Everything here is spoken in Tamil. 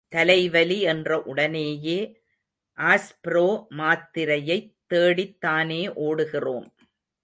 தலைவலி என்ற உடனேயே, ஆஸ்ப்ரோ மாத்திரையைத் தேடித் தானே ஓடுகிறோம்.